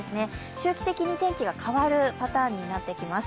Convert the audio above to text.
周期的に天気が変わるパターンになってきます。